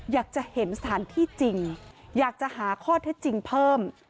อยากจะเห็นสถานที่จริงอยากจะหาข้อเท็จจริงเพิ่ม